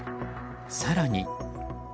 更に。